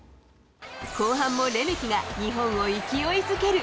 後半もレメキが日本を勢いづける。